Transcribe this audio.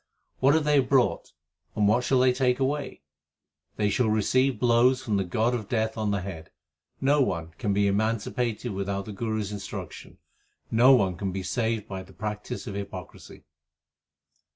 What have they brought, and what shall they take away ? They shall receive blows from the god of death on the head. No one can be emancipated without the Guru s instruction. No one can be saved by the practice of hypocrisy.